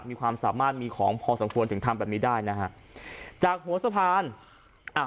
มีความสามารถมีของพอสมควรถึงทำแบบนี้ได้นะฮะจากหัวสะพานอ่า